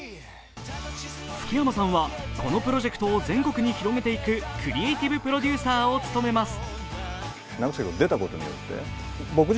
福山さんはこのプロジェクトを全国に広げていくクリエイティブプロデューサーを務めます。